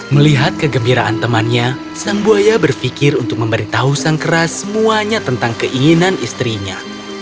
melihat kegembiraan temannya sang buaya berfikir untuk memberitahu sang keras semuanya tentang keinginan istrinya